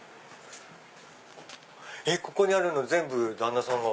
ここにあるの全部旦那さんが？